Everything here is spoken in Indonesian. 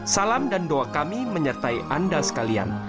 salam dan doa kami menyertai anda sekalian